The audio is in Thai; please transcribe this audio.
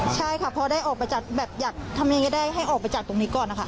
ใช่ค่ะพอได้ออกไปจากแบบอยากทำยังไงก็ได้ให้ออกไปจากตรงนี้ก่อนนะคะ